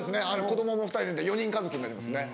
子供も２人なんで４人家族になりますね。